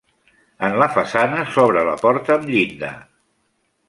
En la façana s'obre la porta amb llinda.